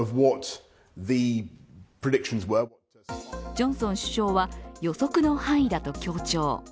ジョンソン首相は予測の範囲だと強調。